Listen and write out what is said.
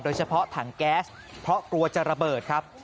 โดยเฉพาะถังแก๊สเพราะกลัวจะระเบิดครับ